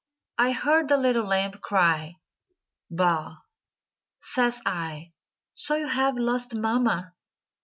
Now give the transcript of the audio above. I heard a little lamb cry baa! Says I, "So you have lost mama?"